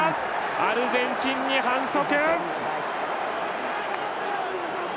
アルゼンチンに反則！